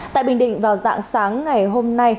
tại bình định vào dạng sáng ngày hôm nay